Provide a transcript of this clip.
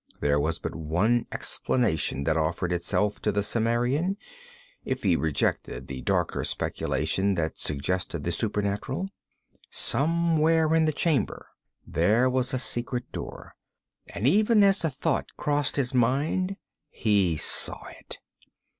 There was but one explanation that offered itself to the Cimmerian, if he rejected the darker speculation that suggested the supernatural somewhere in the chamber there was a secret door. And even as the thought crossed his mind, he saw it.